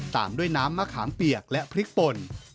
ตามด้วยน้ำมะขามเปียกและพริกป่น